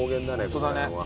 この辺は。